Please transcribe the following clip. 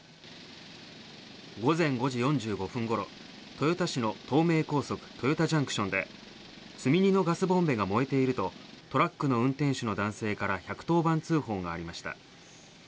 午前５時４５分ごろ豊田市の東名高速豊田ＪＣＴで積み荷のガスボンベが燃えているとトラックの運転手の男性から１１０番通報がありました。